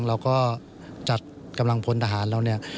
เราก็จัดกำลังพลทหารเราเนี่ย